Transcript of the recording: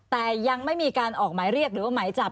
แต่ยังไม่มีการออกหมายเรียกหรือว่าหมายจับ